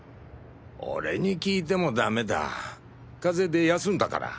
俺に聞いてもダメだぁ風邪で休んだから。